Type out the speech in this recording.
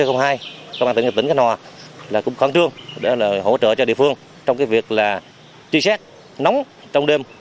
công an tỉnh cánh hòa là cũng khoảng trương để hỗ trợ cho địa phương trong cái việc là tri xét nóng trong đêm